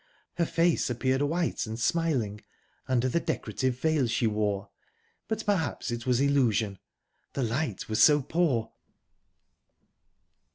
Her face appeared white and smiling, under the decorative veil she wore but perhaps it was illusion, the light was so poor.